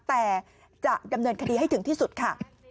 แต่จะดำเนินคดีให้ถึงที่สุดค่ะ